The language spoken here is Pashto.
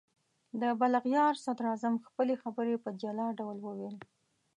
د بلغاریا صدراعظم خپلې خبرې په جلا ډول وویل.